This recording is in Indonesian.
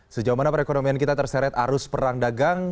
sejauh mana perekonomian kita terseret arus perang dagang